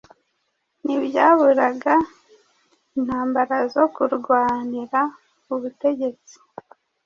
ntihaburaga intambara zo kurwanira ubutegetsi